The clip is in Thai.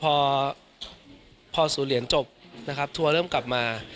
พอพอศูนย์เหรียญจบนะครับทัวร์เริ่มกลับมา